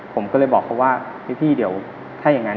ผมก็เลยบอกเขาว่าพี่เดี๋ยวถ้าอย่างนั้น